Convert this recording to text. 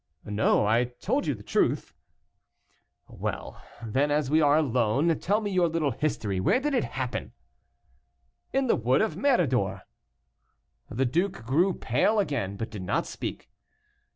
"No, I told you the truth." "Well, then, as we are alone, tell me your little history. Where did it happen?" "In the wood of Méridor." The duke grew pale again, but did not speak.